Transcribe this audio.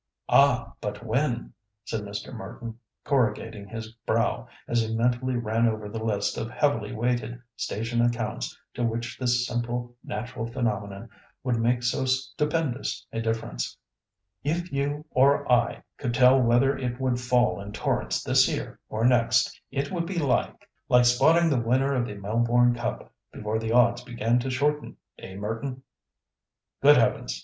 "Ah! but when?" said Mr. Merton, corrugating his brow, as he mentally ran over the list of heavily weighted station accounts to which this simple natural phenomenon would make so stupendous a difference. "If you or I could tell whether it would fall in torrents this year or next, it would be like— " "Like spotting the winner of the Melbourne Cup before the odds began to shorten—eh, Merton? Good Heavens!